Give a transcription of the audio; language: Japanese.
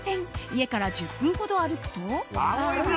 家から１０分ほど歩くと。